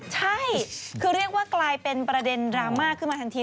ใช่คือเรียกว่ากลายเป็นประเด็นดราม่าขึ้นมาทันที